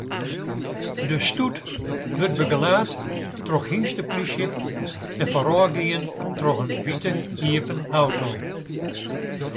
De stoet wurdt begelaat troch hynsteplysje en foarôfgien troch in wite iepen auto.